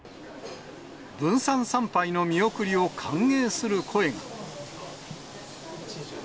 分散参拝の見送りを歓迎する声が。